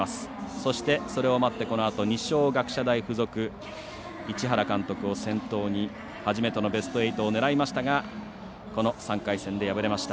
そして、それを待ってこのあと二松学舎大付属市原監督を先頭に初めてのベスト８を狙いましたがこの３回戦で敗れました。